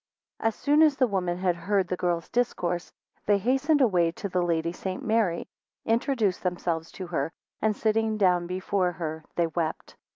21 As soon as the women had heard the girl's discourse, they hastened away to the Lady St. Mary, introduced themselves to her, and sitting down before her, they wept.